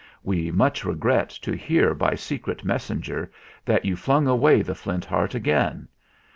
We much regret to hear by secret messenger that you flung away the Flint Heart again.